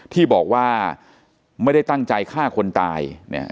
ที่บอกว่าไม่ได้ตั้งใจฆ่าคนตายเนี่ย